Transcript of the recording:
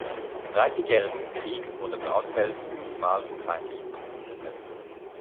Im Dreißigjährigen Krieg wurde Braunfels fünfmal von feindlichen Truppen besetzt.